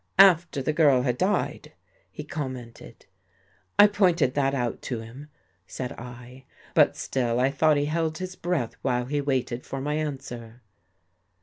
"" After the girl had died," he commented. " I pointed that out to him," said I. " But still, I thought he held his breath while he waited for my answer."